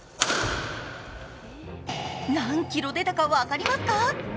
何キロ出たか分かりますか？